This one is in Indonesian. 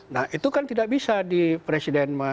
nah itu kan tidak bisa di presiden